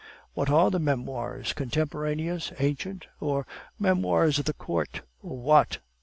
"'What are the memoirs contemporaneous, ancient, or memoirs of the court, or what?